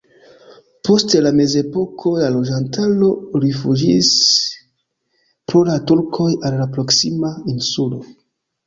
Post la mezepoko la loĝantaro rifuĝis pro la turkoj al la proksima insulo.